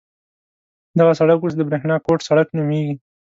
دغه سړک اوس د برېښنا کوټ سړک نومېږي.